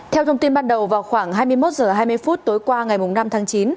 theo thông tin ban đầu vào khoảng hai mươi một h hai mươi phút tối qua ngày năm tháng chín